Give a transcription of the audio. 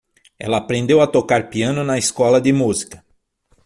Ela aprendeu a tocar piano na escola de música.